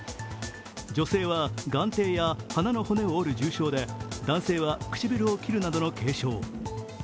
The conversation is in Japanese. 女性は眼底や鼻の骨を折る重傷で男性は唇を切るなどの軽傷。